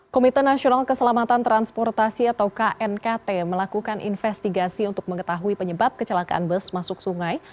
komite nasional keselamatan transportasi atau knkt melakukan investigasi untuk mengetahui penyebab kecelakaan bus masuk sungai